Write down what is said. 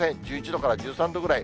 １１度から１３度ぐらい。